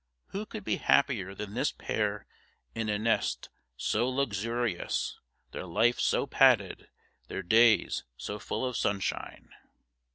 Who could be happier than this pair in a nest so luxurious, their life so padded, their days so full of sunshine?